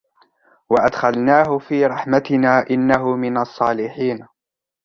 وأدخلناه في رحمتنا إنه من الصالحين